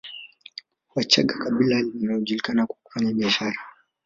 Wachaga kabila linalojulikana kwa kufanya biashara